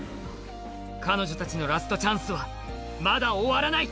彼女たちの「ラストチャンス」はまだ終わらない！